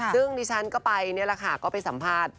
ซึ่งดิฉันก็ไปนี่แหละค่ะก็ไปสัมภาษณ์